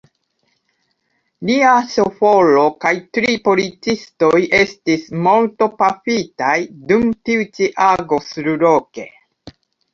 Lia ŝoforo kaj tri policistoj estis mortpafitaj dum tiu ĉi ago surloke.